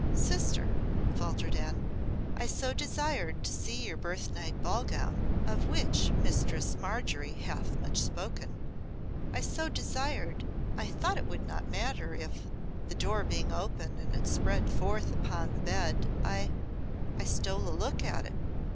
"Sister," faltered Anne, "I so desired to see your birth night ball gown, of which Mistress Margery hath much spoken I so desired I thought it would not matter if, the door being open and it spread forth upon the bed I I stole a look at it.